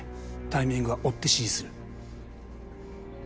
タイミングは追って指示する。